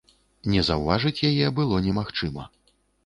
Не заўважыць яе было немагчыма.